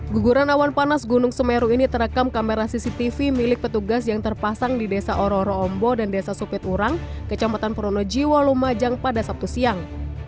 guguran awan panas gunung semeru ini terekam kamera cctv milik petugas yang terpasang di desa oro ororo ombo dan desa supiturang kecamatan pronojiwa lumajang pada sabtu siang